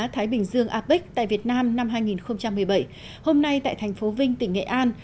thái bình dương apec tại việt nam năm hai nghìn một mươi bảy hôm nay tại thành phố vinh tỉnh nghệ an